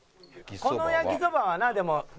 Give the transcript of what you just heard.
「この焼きそばはなでも」